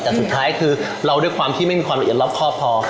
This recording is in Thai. แต่สุดท้ายคือเราด้วยความที่ไม่มีความละเอียดรอบครอบพอ